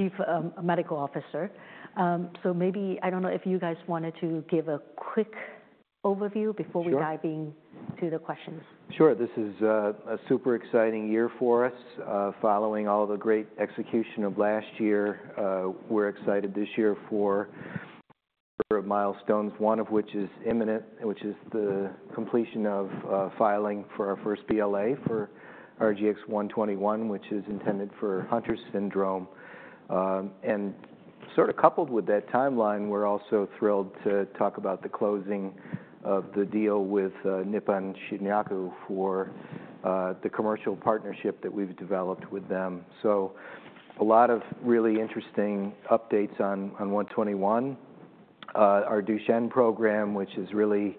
Chief Medical Officer. I don't know if you guys wanted to give a quick overview before we dive into the questions. Sure. This is a super exciting year for us. Following all the great execution of last year, we're excited this year for a number of milestones, one of which is imminent, which is the completion of filing for our first BLA for RGX-121, which is intended for Hunter syndrome. Coupled with that timeline, we're also thrilled to talk about the closing of the deal with Nippon Shinyaku for the commercial partnership that we've developed with them. A lot of really interesting updates on 121. Our Duchenne program, which is really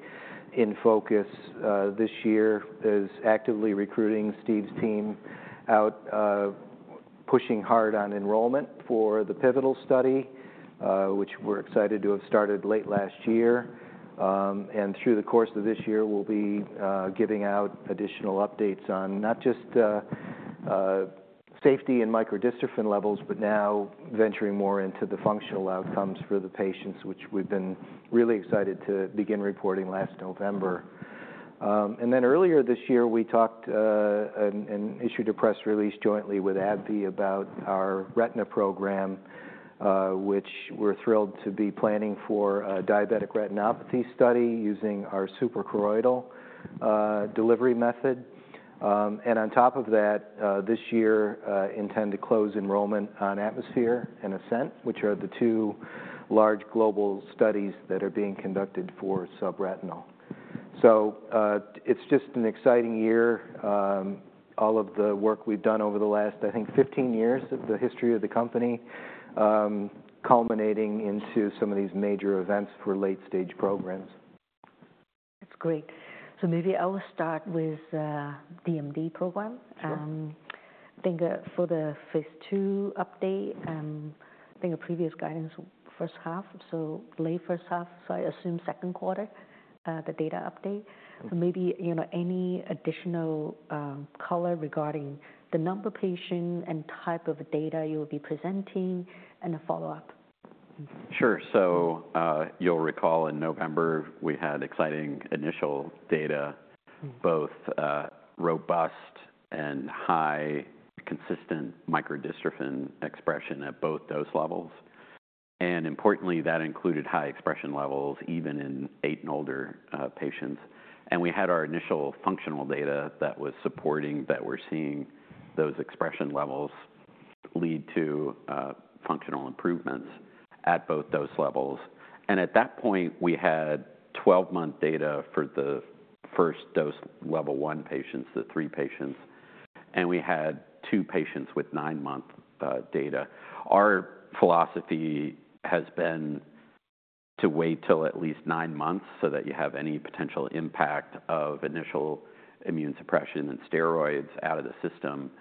in focus this year, is actively recruiting. Steve's team is out, pushing hard on enrollment for the pivotal study, which we're excited to have started late last year. Through the course of this year, we'll be giving out additional updates on not just safety and microdystrophin levels, but now venturing more into the functional outcomes for the patients, which we've been really excited to begin reporting last November. Earlier this year, we talked and issued a press release jointly with AbbVie about our retina program, which we're thrilled to be planning for a diabetic retinopathy study using our suprachoroidal delivery method. On top of that, this year, we intend to close enrollment on ATMOSPHERE and ASCENT, which are the two large global studies that are being conducted for subretinal. It is just an exciting year. All of the work we've done over the last, I think, 15 years of the history of the company, culminating into some of these major events for late-stage programs. That's great. Maybe I will start with the DMD program. I think for the phase II update, I think a previous guidance first half, so late first half, so I assume second quarter, the data update. Maybe any additional color regarding the number of patients and type of data you'll be presenting and a follow-up. Sure. You will recall in November, we had exciting initial data, both robust and high consistent microdystrophin expression at both those levels. Importantly, that included high expression levels even in eight and older patients. We had our initial functional data that was supporting that we are seeing those expression levels lead to functional improvements at both those levels. At that point, we had 12-month data for the first dose level one patients, the three patients. We had two patients with nine-month data. Our philosophy has been to wait till at least nine months so that you have any potential impact of initial immune suppression and steroids out of the system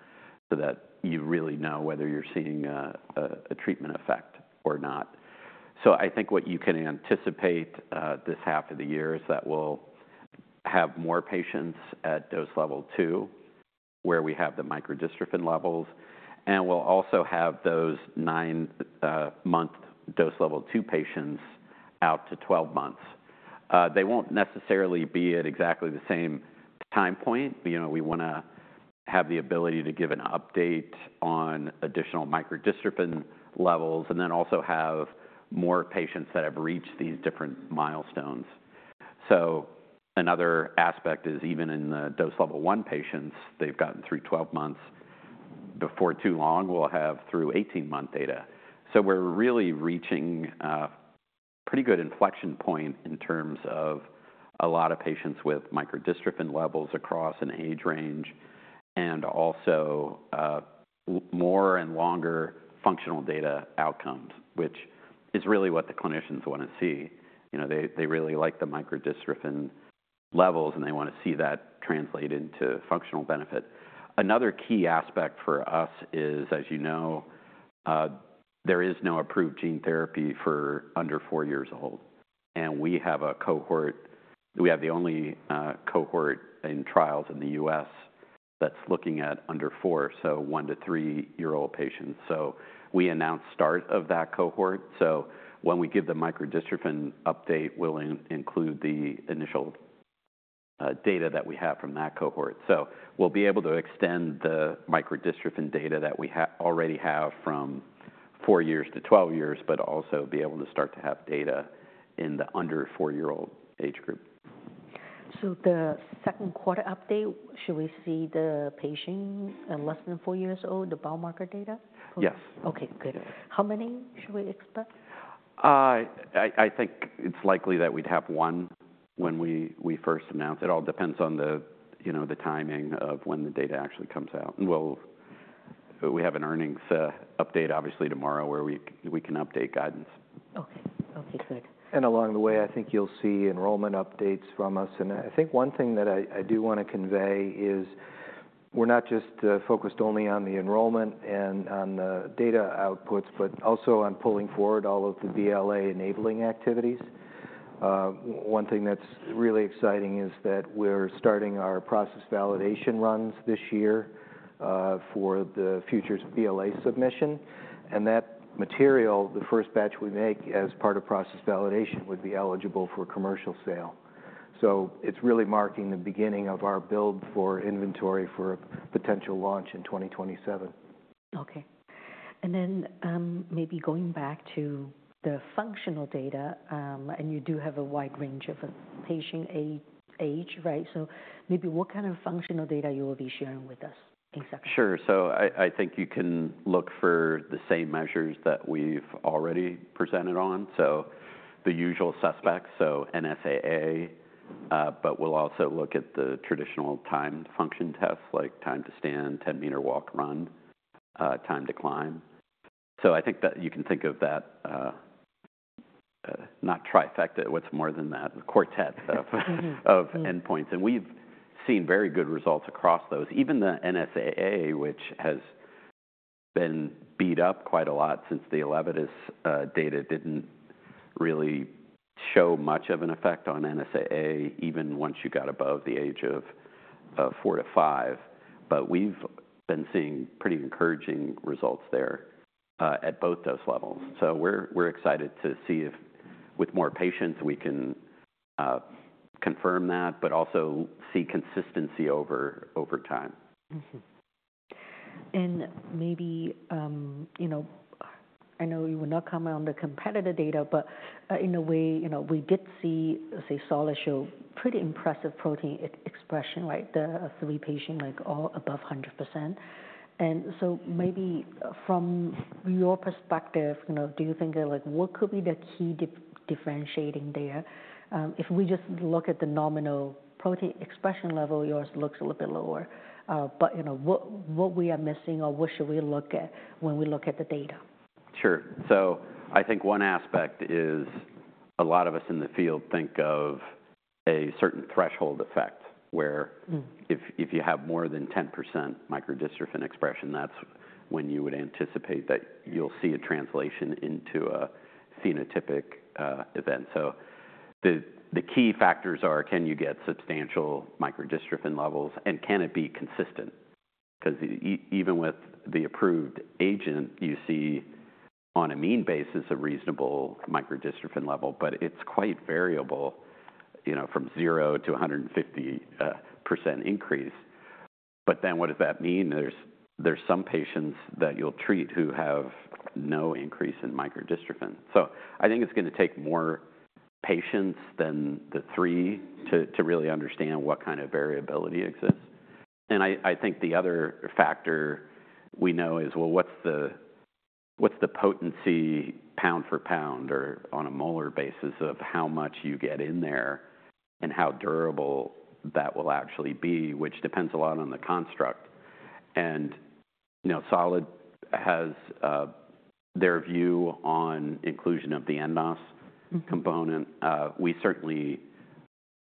so that you really know whether you are seeing a treatment effect or not. I think what you can anticipate this half of the year is that we'll have more patients at dose level two where we have the microdystrophin levels. We'll also have those nine-month dose level two patients out to 12 months. They won't necessarily be at exactly the same time point. We want to have the ability to give an update on additional microdystrophin levels and then also have more patients that have reached these different milestones. Another aspect is even in the dose level one patients, they've gotten through 12 months. Before too long, we'll have through 18-month data. We're really reaching a pretty good inflection point in terms of a lot of patients with microdystrophin levels across an age range and also more and longer functional data outcomes, which is really what the clinicians want to see. They really like the microdystrophin levels, and they want to see that translate into functional benefit. Another key aspect for us is, as you know, there is no approved gene therapy for under four years old. We have a cohort; we have the only cohort in trials in the U.S. that's looking at under four, so one to three-year-old patients. We announced the start of that cohort. When we give the microdystrophin update, we'll include the initial data that we have from that cohort. We'll be able to extend the microdystrophin data that we already have from four years to 12 years, but also be able to start to have data in the under four-year-old age group. The second quarter update, should we see the patient less than four years old, the biomarker data? Yes. Okay. Good. How many should we expect? I think it's likely that we'd have one when we first announce it. It all depends on the timing of when the data actually comes out. We have an earnings update, obviously, tomorrow where we can update guidance. Okay. Okay. Good. Along the way, I think you'll see enrollment updates from us. I think one thing that I do want to convey is we're not just focused only on the enrollment and on the data outputs, but also on pulling forward all of the BLA enabling activities. One thing that's really exciting is that we're starting our process validation runs this year for the future's BLA submission. That material, the first batch we make as part of process validation, would be eligible for commercial sale. It's really marking the beginning of our build for inventory for a potential launch in 2027. Okay. Maybe going back to the functional data, and you do have a wide range of patient age, right? Maybe what kind of functional data you will be sharing with us in September? Sure. I think you can look for the same measures that we've already presented on. The usual suspects, so NSAA, but we'll also look at the traditional timed function tests, like Time to Stand, 10-Meter Walk/Run, Time to Climb. I think that you can think of that not trifecta, what's more than that, the quartet of endpoints. We've seen very good results across those. Even the NSAA, which has been beat up quite a lot since the Elevidys, data didn't really show much of an effect on NSAA, even once you got above the age of four to five. We've been seeing pretty encouraging results there at both those levels. We're excited to see if with more patients, we can confirm that, but also see consistency over time. I know you will not comment on the competitor data, but in a way, we did see, say, Solid show pretty impressive protein expression, right? The three patients, like all above 100%. Maybe from your perspective, do you think what could be the key differentiating there? If we just look at the nominal protein expression level, yours looks a little bit lower. What are we missing or what should we look at when we look at the data? Sure. I think one aspect is a lot of us in the field think of a certain threshold effect where if you have more than 10% microdystrophin expression, that's when you would anticipate that you'll see a translation into a phenotypic event. The key factors are, can you get substantial microdystrophin levels? And can it be consistent? Because even with the approved agent, you see on a mean basis a reasonable microdystrophin level, but it's quite variable from 0%-150% increase. What does that mean? There are some patients that you'll treat who have no increase in microdystrophin. I think it's going to take more patients than the three to really understand what kind of variability exists. I think the other factor we know is, well, what's the potency pound for pound or on a molar basis of how much you get in there and how durable that will actually be, which depends a lot on the construct. Solid has their view on inclusion of the nNOS component. We certainly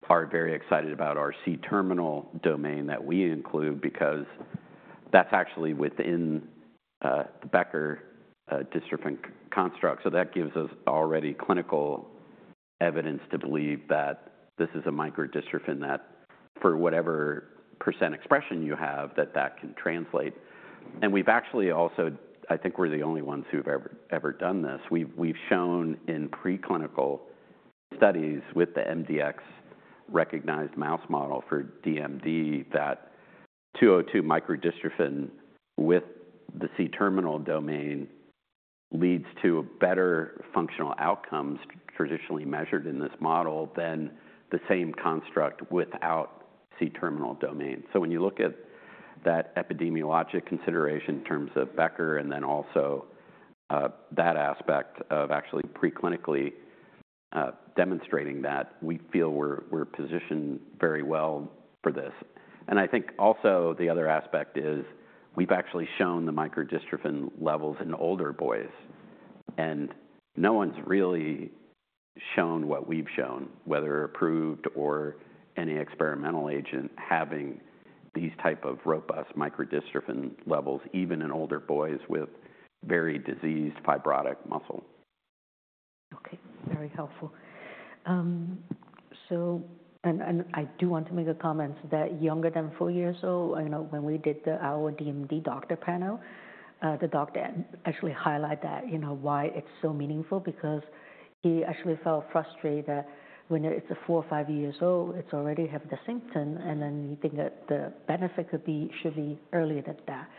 are very excited about our C-terminal domain that we include because that's actually within the Becker dystrophin construct. That gives us already clinical evidence to believe that this is a microdystrophin that for whatever % expression you have, that that can translate. We've actually also, I think we're the only ones who've ever done this. We've shown in preclinical studies with the mdx recognized mouse model for DMD that 202 microdystrophin with the C-terminal domain leads to better functional outcomes traditionally measured in this model than the same construct without C-terminal domain. When you look at that epidemiologic consideration in terms of Becker and then also that aspect of actually preclinically demonstrating that, we feel we're positioned very well for this. I think also the other aspect is we've actually shown the microdystrophin levels in older boys. No one's really shown what we've shown, whether approved or any experimental agent, having these type of robust microdystrophin levels, even in older boys with very diseased fibrotic muscle. Okay. Very helpful. I do want to make a comment that younger than four years old, when we did our DMD doctor panel, the doctor actually highlighted that why it's so meaningful because he actually felt frustrated that when it's four or five years old, it's already have the symptoms, and then you think that the benefit should be earlier than that.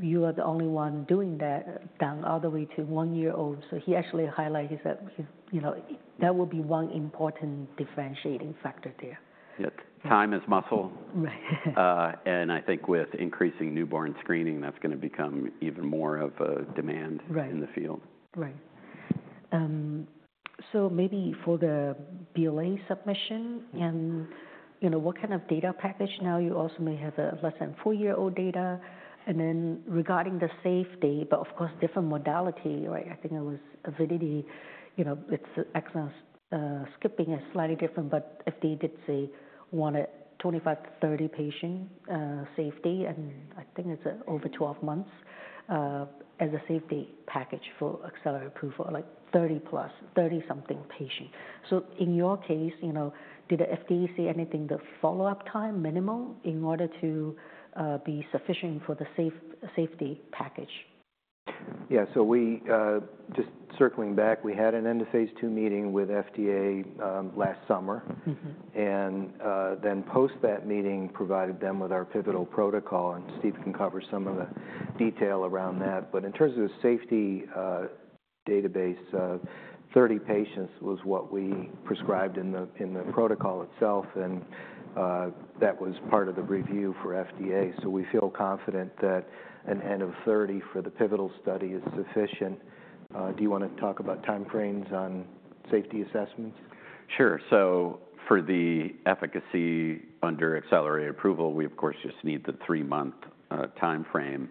You are the only one doing that down all the way to one year old. He actually highlighted that that will be one important differentiating factor there. Yep. Time is muscle. I think with increasing newborn screening, that's going to become even more of a demand in the field. Right. Maybe for the BLA submission, and what kind of data package now you also may have less than four-year-old data. Regarding the safety, of course, different modality, right? I think it was Avidity. It's excellent. Skipping is slightly different, but FDA did say want a 25-30 patient safety, and I think it's over 12 months as a safety package for accelerated approval, like 30+, 30-something patients. In your case, did the FDA say anything about the follow-up time minimum in order to be sufficient for the safety package? Yeah. Just circling back, we had an end of phase II meeting with FDA last summer. After that meeting, we provided them with our pivotal protocol. Steve can cover some of the detail around that. In terms of the safety database, 30 patients was what we prescribed in the protocol itself. That was part of the review for FDA. We feel confident that an end of 30 for the pivotal study is sufficient. Do you want to talk about time frames on safety assessments? Sure. For the efficacy under accelerated approval, we, of course, just need the three-month time frame.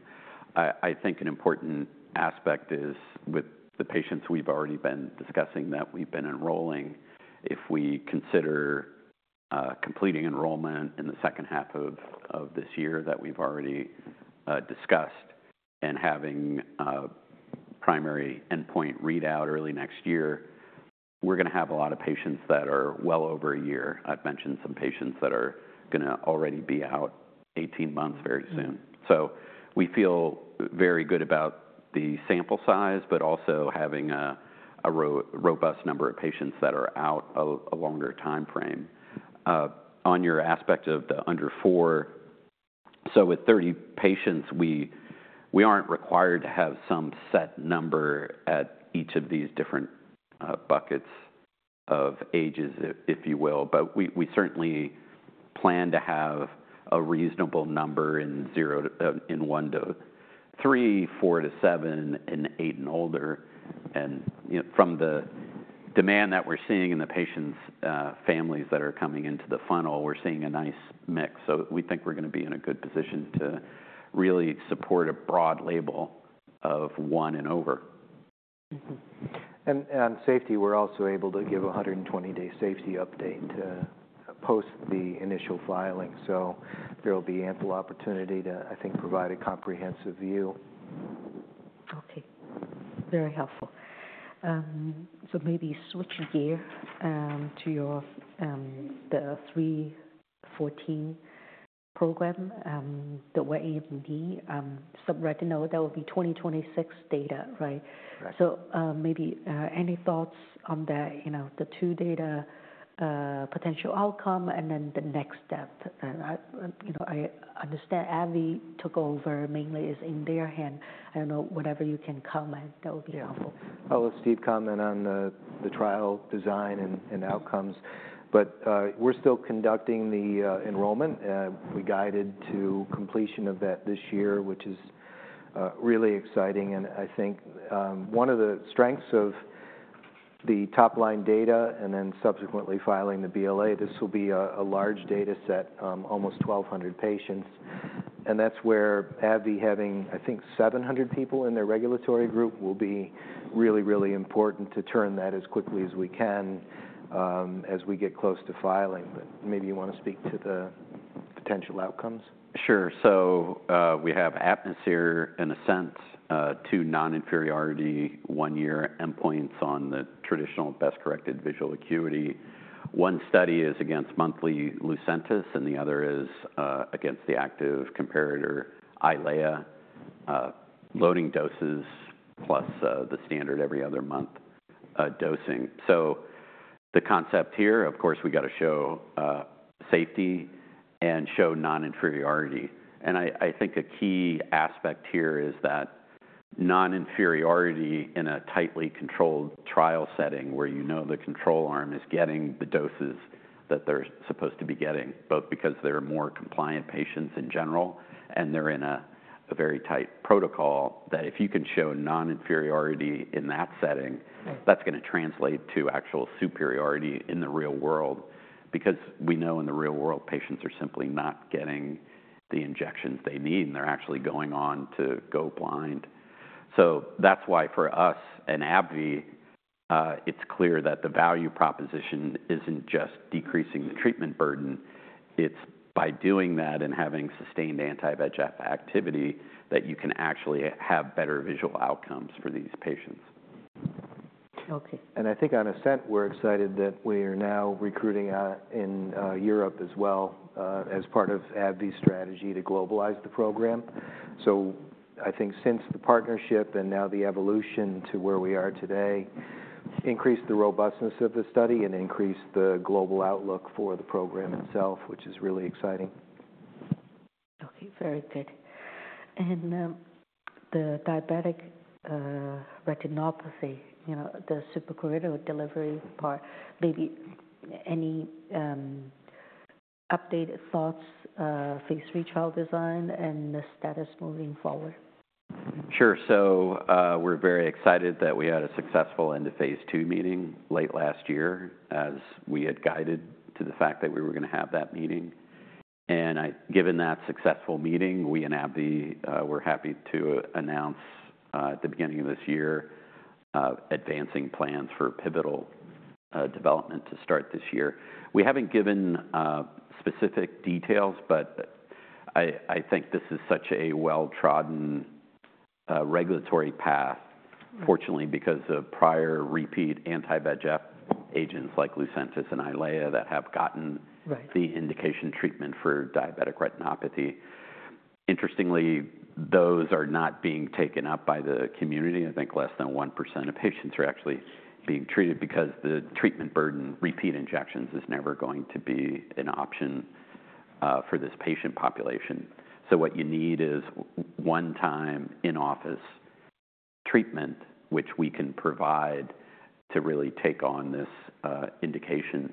I think an important aspect is with the patients we've already been discussing that we've been enrolling, if we consider completing enrollment in the second half of this year that we've already discussed and having primary endpoint readout early next year, we're going to have a lot of patients that are well over a year. I’ve mentioned some patients that are going to already be out 18 months very soon. We feel very good about the sample size, but also having a robust number of patients that are out a longer time frame. On your aspect of the under four, with 30 patients, we aren't required to have some set number at each of these different buckets of ages, if you will. We certainly plan to have a reasonable number in one to three, four to seven, and eight and older. From the demand that we're seeing in the patients' families that are coming into the funnel, we're seeing a nice mix. We think we're going to be in a good position to really support a broad label of one and over. On safety, we're also able to give a 120-day safety update post the initial filing. There will be ample opportunity to, I think, provide a comprehensive view. Okay. Very helpful. Maybe switching gear to the 314 program that we're able to be subretinal now, that will be 2026 data, right? Maybe any thoughts on the two data potential outcome and then the next step? I understand AbbVie took over mainly, is in their hand. I don't know, whatever you can comment, that would be helpful. I'll let Steve comment on the trial design and outcomes. We are still conducting the enrollment. We guided to completion of that this year, which is really exciting. I think one of the strengths of the top-line data and then subsequently filing the BLA, this will be a large data set, almost 1,200 patients. That is where AbbVie, having, I think, 700 people in their regulatory group, will be really, really important to turn that as quickly as we can as we get close to filing. Maybe you want to speak to the potential outcomes? Sure. We have ATMOSPHERE and ASCENT, two non-inferiority one-year endpoints on the traditional best-corrected visual acuity. One study is against monthly Lucentis, and the other is against the active comparator Eylea, loading doses plus the standard every other month dosing. The concept here, of course, we got to show safety and show non-inferiority. I think a key aspect here is that non-inferiority in a tightly controlled trial setting where you know the control arm is getting the doses that they're supposed to be getting, both because they're more compliant patients in general, and they're in a very tight protocol, that if you can show non-inferiority in that setting, that's going to translate to actual superiority in the real world because we know in the real world, patients are simply not getting the injections they need, and they're actually going on to go blind. That's why for us and AbbVie, it's clear that the value proposition isn't just decreasing the treatment burden. It's by doing that and having sustained anti-VEGF activity that you can actually have better visual outcomes for these patients. Okay. I think on ASCENT, we're excited that we are now recruiting in Europe as well as part of AbbVie's strategy to globalize the program. I think since the partnership and now the evolution to where we are today, increased the robustness of the study and increased the global outlook for the program itself, which is really exciting. Okay. Very good. The diabetic retinopathy, the suprachoroidal delivery part, maybe any updated thoughts, phase III trial design, and the status moving forward? Sure. We are very excited that we had a successful end of phase II meeting late last year as we had guided to the fact that we were going to have that meeting. Given that successful meeting, we and AbbVie were happy to announce at the beginning of this year, advancing plans for pivotal development to start this year. We have not given specific details, but I think this is such a well-trodden regulatory path, fortunately, because of prior repeat anti-VEGF agents like Lucentis and Eylea that have gotten the indication treatment for diabetic retinopathy. Interestingly, those are not being taken up by the community. I think less than 1% of patients are actually being treated because the treatment burden, repeat injections, is never going to be an option for this patient population. What you need is one-time in-office treatment, which we can provide to really take on this indication.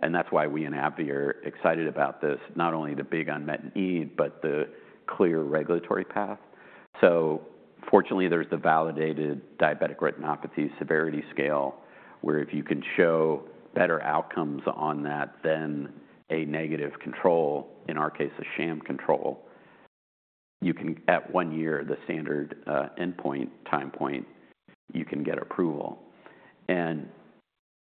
That is why we and AbbVie are excited about this, not only the big unmet need, but the clear regulatory path. Fortunately, there is the validated Diabetic Retinopathy Severity Scale where if you can show better outcomes on that than a negative control, in our case, a sham control, you can at one year, the standard endpoint time point, get approval. That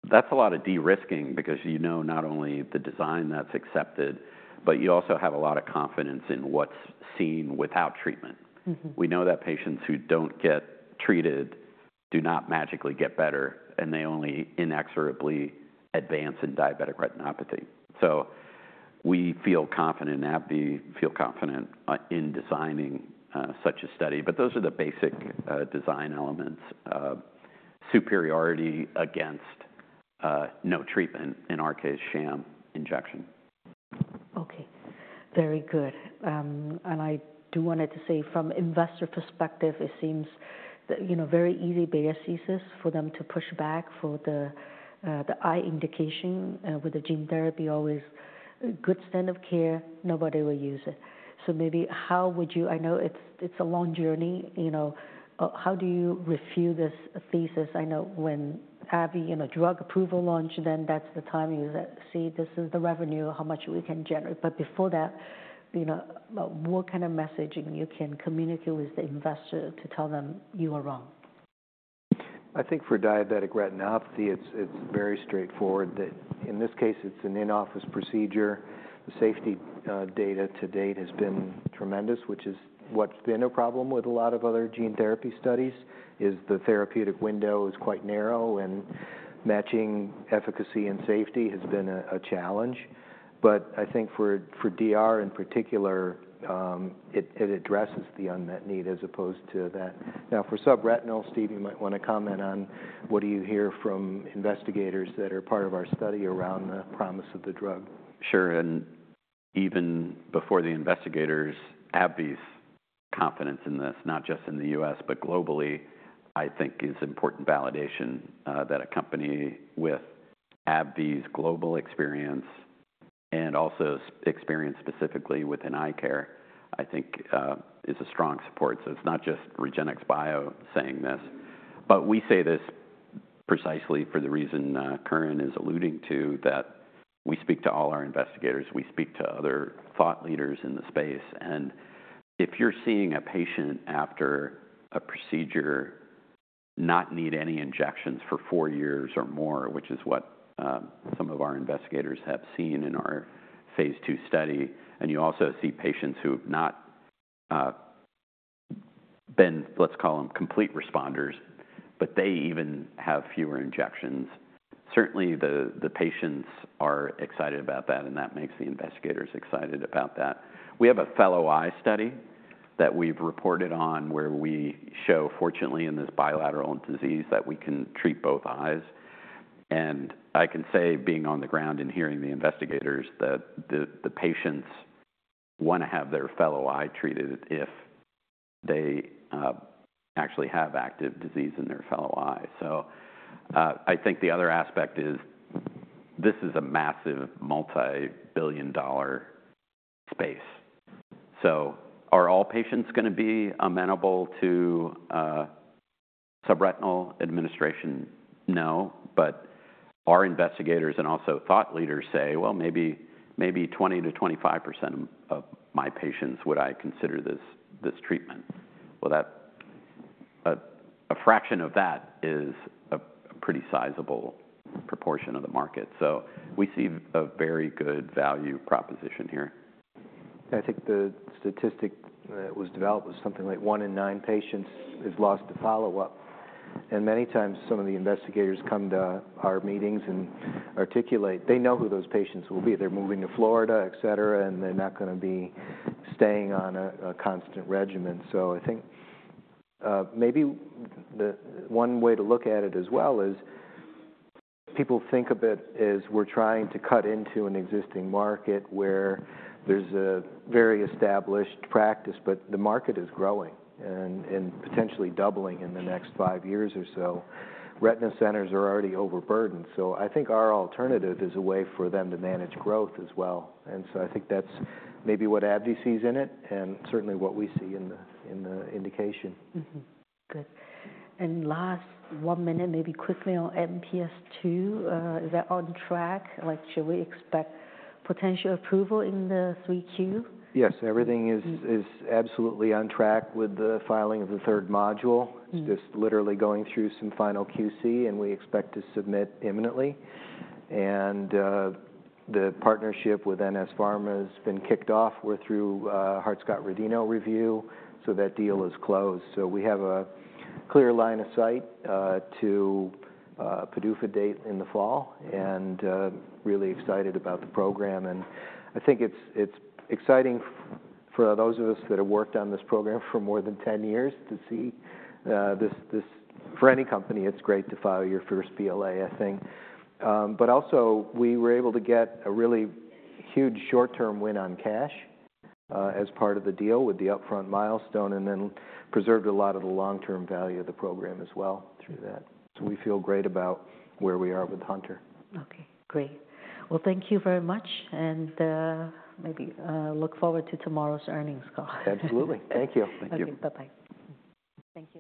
is a lot of de-risking because you know not only the design that is accepted, but you also have a lot of confidence in what is seen without treatment. We know that patients who do not get treated do not magically get better, and they only inexorably advance in diabetic retinopathy. We feel confident, AbbVie feels confident in designing such a study. Those are the basic design elements, superiority against no treatment, in our case, sham injection. Okay. Very good. I do want to say from investor perspective, it seems very easy beta thesis for them to push back for the eye indication with the gene therapy, always good standard of care, nobody will use it. Maybe how would you, I know it's a long journey, how do you refute this thesis? I know when AbbVie and drug approval launched, then that's the time you say, "See, this is the revenue, how much we can generate." Before that, what kind of messaging you can communicate with the investor to tell them you are wrong? I think for diabetic retinopathy, it's very straightforward that in this case, it's an in-office procedure. The safety data to date has been tremendous, which is what's been a problem with a lot of other gene therapy studies is the therapeutic window is quite narrow, and matching efficacy and safety has been a challenge. I think for DR in particular, it addresses the unmet need as opposed to that. Now for subretinal, Steve, you might want to comment on what do you hear from investigators that are part of our study around the promise of the drug? Sure. Even before the investigators, AbbVie's confidence in this, not just in the U.S., but globally, I think is important validation that a company with AbbVie's global experience and also experience specifically within eye care, I think is a strong support. It is not just REGENXBIO saying this. We say this precisely for the reason Curran is alluding to that we speak to all our investigators, we speak to other thought leaders in the space. If you are seeing a patient after a procedure not need any injections for four years or more, which is what some of our investigators have seen in our phase II study, and you also see patients who have not been, let's call them complete responders, but they even have fewer injections, certainly the patients are excited about that, and that makes the investigators excited about that. We have a fellow eye study that we've reported on where we show, fortunately, in this bilateral disease that we can treat both eyes. I can say, being on the ground and hearing the investigators, that the patients want to have their fellow eye treated if they actually have active disease in their fellow eye. I think the other aspect is this is a massive multi-billion dollar space. Are all patients going to be amenable to subretinal administration? No. Our investigators and also thought leaders say, "Well, maybe 20-25% of my patients would I consider this treatment." A fraction of that is a pretty sizable proportion of the market. We see a very good value proposition here. I think the statistic that was developed was something like one in nine patients is lost to follow-up. Many times some of the investigators come to our meetings and articulate they know who those patients will be. They're moving to Florida, etc., and they're not going to be staying on a constant regimen. I think maybe one way to look at it as well is people think of it as we're trying to cut into an existing market where there's a very established practice, but the market is growing and potentially doubling in the next five years or so. Retina centers are already overburdened. I think our alternative is a way for them to manage growth as well. I think that's maybe what AbbVie sees in it and certainly what we see in the indication. Good. Last one minute, maybe quickly on MPS II, is that on track? Should we expect potential approval in the 3Q? Yes. Everything is absolutely on track with the filing of the third module. It's just literally going through some final QC, and we expect to submit imminently. The partnership with NS Pharma has been kicked off. We're through Hart-Scott-Rodino review, so that deal is closed. We have a clear line of sight to PDUFA date in the fall and really excited about the program. I think it's exciting for those of us that have worked on this program for more than 10 years to see this for any company, it's great to file your first BLA, I think. We were able to get a really huge short-term win on cash as part of the deal with the upfront milestone and then preserved a lot of the long-term value of the program as well through that. We feel great about where we are with Hunter. Okay. Great. Thank you very much. Maybe look forward to tomorrow's earnings call. Absolutely. Thank you. Thank you. Bye-bye. Thank you.